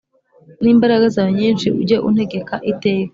N’imbaraga zawe nyinshi ujye untegeka iteka